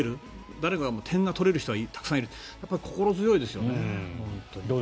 誰か点を取れる人がたくさんいる心強いですよね。